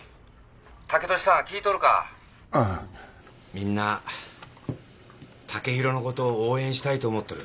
みんな剛洋のことを応援したいと思っとる。